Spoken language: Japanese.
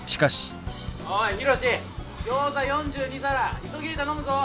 おいヒロシギョーザ４２皿急ぎで頼むぞ！